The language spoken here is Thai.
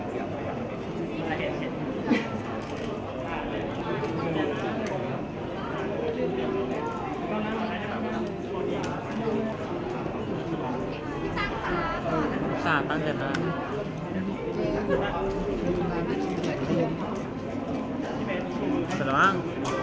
สวัสดีครับทุกคนขอบคุณครับทุกคน